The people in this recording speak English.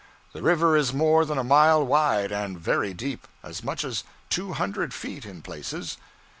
The river is more than a mile wide, and very deep as much as two hundred feet, in places.